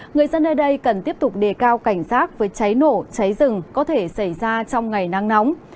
người dân nơi đây cần tiếp tục đề cao cảnh giác với cháy nổ cháy rừng có thể xảy ra trong ngày nắng nóng